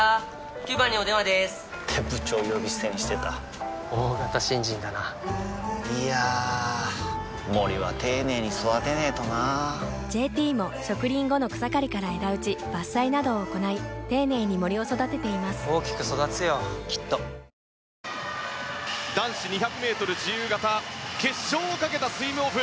９番にお電話でーす！って部長呼び捨てにしてた大型新人だないやー森は丁寧に育てないとな「ＪＴ」も植林後の草刈りから枝打ち伐採などを行い丁寧に森を育てています大きく育つよきっと男子２００ｍ自由形決勝をかけたスイムオフ。